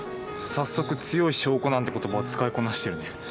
早速「強い証拠」なんて言葉を使いこなしてるね。